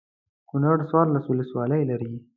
کنړ څوارلس ولسوالۍ لري.